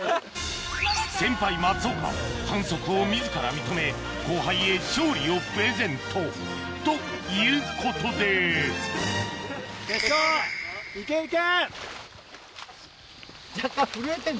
先輩松岡反則を自ら認め後輩へ勝利をプレゼントということで決勝行け行け！